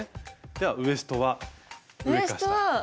ではウエストは上か下か。